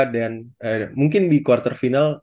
dan mungkin di quarter final